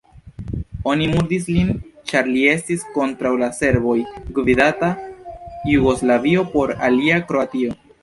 Oni murdis lin, ĉar li estis kontraŭ la serboj-gvidata Jugoslavio, por alia Kroatio.